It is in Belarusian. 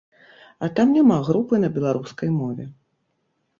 А там няма групы на беларускай мове!